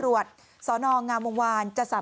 โปรดติดตามต่อไป